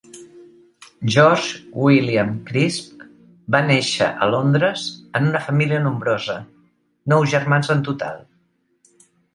George William Crisp va néixer a Londres en una família nombrosa, nou germans en total.